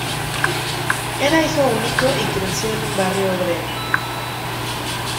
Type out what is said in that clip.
Era hijo único y creció en un barrio obrero.